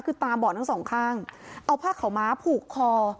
คือตามเบาะทั้งสองข้างเอาผ้าขาวม้าผูกคอ